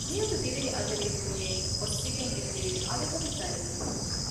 މިއަދު ދިވެހި އަދަބީ ދުނިޔެއިން އޮއްސިގެން އެ ދިޔައީ އަލިގަދަ ތަރިއެއް